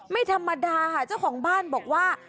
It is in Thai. ไม่ธรรมดาค่ะเจ้าของบ้านบอกว่า